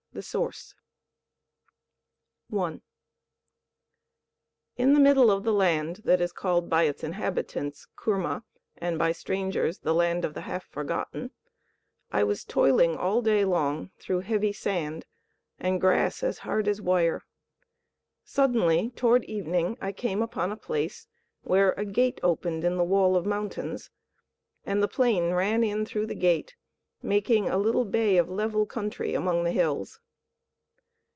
THE SOURCE I In the middle of the land that is called by its inhabitants Koorma, and by strangers the Land of the Half forgotten, I was toiling all day long through heavy sand and grass as hard as wire. Suddenly, toward evening, I came upon a place where a gate opened in the wall of mountains, and the plain ran in through the gate, making a little bay of level country among the hills.